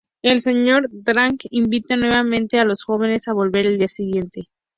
El Sr. Dark invita nuevamente a los jóvenes a volver al día siguiente.